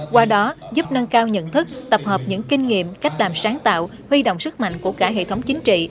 qua đó giúp nâng cao nhận thức tập hợp những kinh nghiệm cách làm sáng tạo huy động sức mạnh của cả hệ thống chính trị